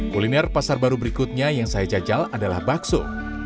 kuliner pasar baru berikutnya yang saya jajal adalah bakso